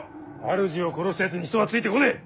主を殺したやつに人はついてこねえ。